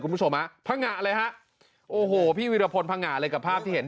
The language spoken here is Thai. คุณผู้ชมฮะพังงะเลยฮะโอ้โหพี่วิรพลพังงะเลยกับภาพที่เห็น